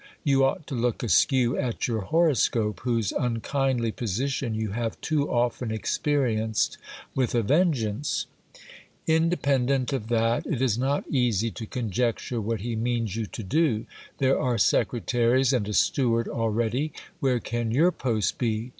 you ought to look askew at your horoscope, whose unkindly position you have too often experienced with a vengeance. Inde EMPLOYMENT OF GIL BLAS. 269 pendent of that, it is not easy to conjecture what he means you to do. There are secretaries and a steward already : where can your post be